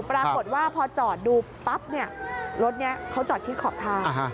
ปรากฏว่าพอจอดดูปั๊บเนี่ยรถนี้เขาจอดชิดขอบทาง